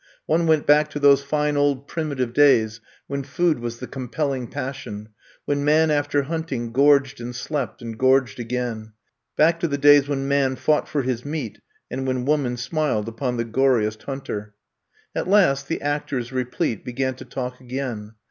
One went back to those fine old primitive days when food was the compelling passion, when man, after hunting, gorged and slept, and gorged again. Back to the days when man fought for his meat and when woman smiled upon the goriest hunter. At last, the actors, replete, began to talk again.